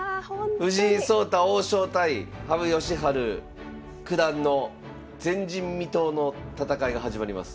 藤井聡太王将対羽生善治九段の前人未到の戦いが始まります。